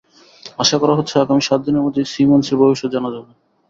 আশা করা হচ্ছে, আগামী সাত দিনের মধ্যেই সিমন্সের ভবিষ্যৎ জানা যাবে।